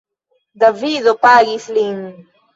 Davido pagis lin.